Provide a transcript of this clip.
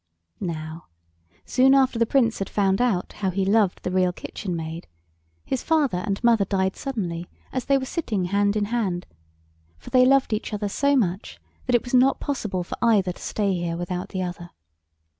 Now, soon after the Prince had found out how he loved the Real Kitchen Maid, his father and mother died suddenly as they were sitting hand in hand, for they loved each other so much that it was not possible for either to stay here without the other.